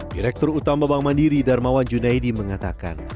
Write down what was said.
direktur utama bank mandiri darmawan junaidi mengatakan